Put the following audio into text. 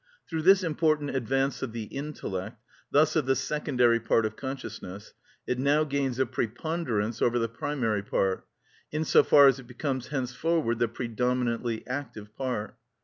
Through this important advance of the intellect, thus of the secondary part of consciousness, it now gains a preponderance over the primary part, in so far as it becomes henceforward the predominantly active part.